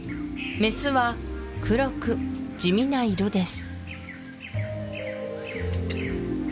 メスは黒く地味な色です